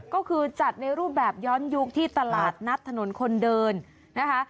ก็คือจัดในรูปแบบย้อนยุคที่ตลาดนัดถนนคนเดินนะคะ